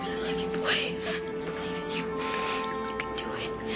おい！